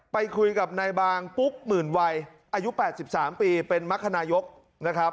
ไปคุยกับนายบางปุ๊กหมื่นวัยอายุ๘๓ปีเป็นมรรคนายกนะครับ